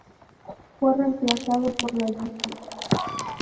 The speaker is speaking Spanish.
Fue reemplazado por la yizia.